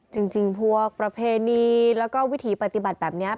จริงพวกประเพณีแล้วก็วิถีปฏิบัติแบบนี้